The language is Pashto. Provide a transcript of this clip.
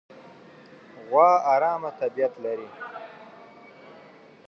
غوا ارامه طبیعت لري.